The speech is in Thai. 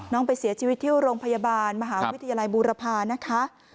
ไปเสียชีวิตที่โรงพยาบาลมหาวิทยาลัยบูรพานะคะ